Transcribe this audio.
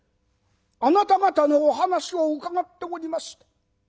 あなた方のお話を伺っておりまして